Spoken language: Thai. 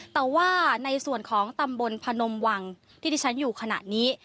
แต่ว่าในส่วนของตำบลพนมวังที่ที่ฉันอยู่ขณะนี้